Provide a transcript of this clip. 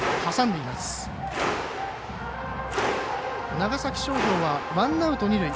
長崎商業はワンアウト、二塁。